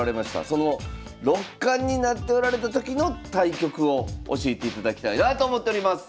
その六冠になっておられた時の対局を教えていただきたいなと思っております。